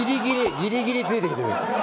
ギリギリついてきてる。